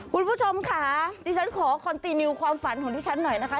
คุณผู้ชมค่ะดิฉันขอคอนตีนิวความฝันของดิฉันหน่อยนะคะ